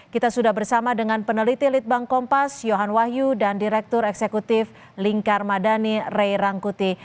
kita sudah bersama dengan peneliti litbang kompas yohan wahyu dan direktur eksekutif lingkar madani ray rangkuti